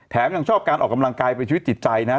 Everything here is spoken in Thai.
แถมยังชอบการออกกำลังกายไปชีวิตจิตใจนะฮะ